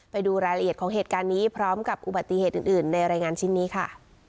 ไปดูรายละเอียดของเหตุการณ์นี้พร้อมกับอุบัติเหตุอื่นในรายงานชิ้นนี้ค่ะ